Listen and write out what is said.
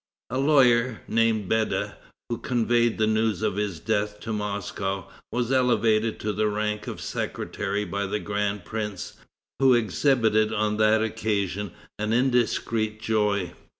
A lawyer, named Beda, who conveyed the news of his death to Moscow, was elevated to the rank of secretary by the grand prince, who exhibited on that occasion an indiscreet joy."